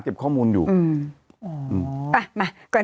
ต้องต้อง